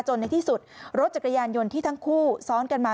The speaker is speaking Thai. ในที่สุดรถจักรยานยนต์ที่ทั้งคู่ซ้อนกันมา